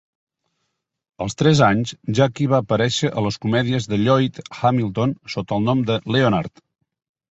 Als tres anys, Jackie va aparèixer a les comèdies de Lloyd Hamilton sota el nom de "Leonard".